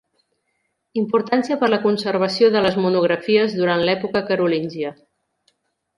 Importància per la conservació de les monografies durant l’època carolíngia.